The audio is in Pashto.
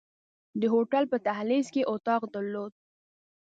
د هوټل په دهلیز کې یې اتاق درلود.